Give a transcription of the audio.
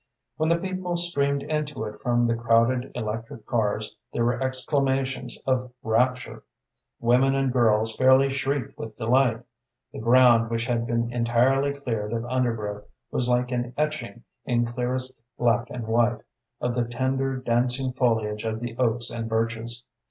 When the people streamed into it from the crowded electric cars, there were exclamations of rapture. Women and girls fairly shrieked with delight. The ground, which had been entirely cleared of undergrowth, was like an etching in clearest black and white, of the tender dancing foliage of the oaks and birches.